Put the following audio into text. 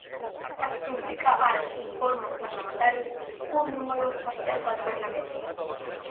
Es publica als "Informes parlamentaris", un número especial del Parlament.